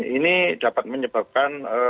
ini dapat menyebabkan